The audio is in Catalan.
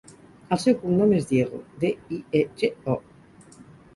El seu cognom és Diego: de, i, e, ge, o.